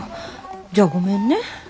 じゃあごめんね。